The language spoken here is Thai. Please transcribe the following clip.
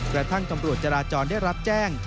กระทั่งตำรวจจราจรได้รับแจ้ง